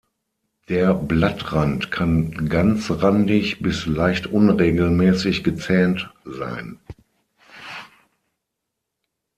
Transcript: Der Blattrand kann ganzrandig bis leicht unregelmäßig gezähnt sein.